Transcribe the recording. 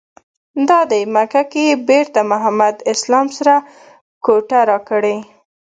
دادی مکه کې یې بېرته محمد اسلام سره کوټه راکړې.